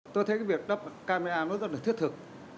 tôi thấy cái việc đắp camera nó rất là thiết thực